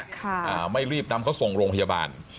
ไม่รีบนำเขานำเขาส่งโรงพยาบาล